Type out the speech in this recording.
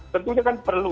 tentunya kan perlu